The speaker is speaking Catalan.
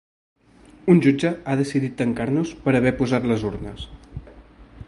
Un jutge ha decidit tancar-nos per haver posat les urnes.